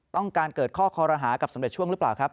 ต้องการเกิดข้อคอรหากับสำเร็จช่วงหรือเปล่าครับ